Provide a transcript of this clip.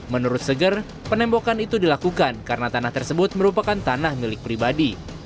menurut seger penembokan itu dilakukan karena tanah tersebut merupakan tanah milik pribadi